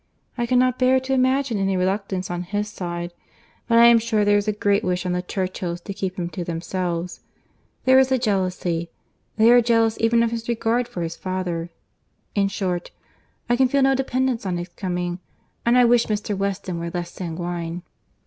I cannot bear to imagine any reluctance on his side; but I am sure there is a great wish on the Churchills' to keep him to themselves. There is jealousy. They are jealous even of his regard for his father. In short, I can feel no dependence on his coming, and I wish Mr. Weston were less sanguine."